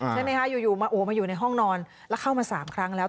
ใช่ไหมคะอยู่มาโอ้มาอยู่ในห้องนอนแล้วเข้ามา๓ครั้งแล้ว